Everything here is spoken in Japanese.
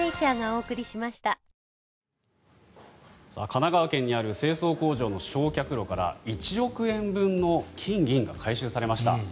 神奈川県にある清掃工場の焼却炉から１億円分の金銀が回収されました。